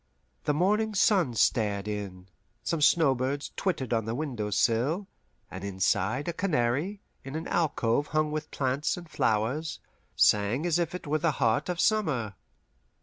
The morning sun stared in, some snowbirds twittered on the window sill, and inside, a canary, in an alcove hung with plants and flowers, sang as if it were the heart of summer.